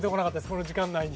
この時間内に。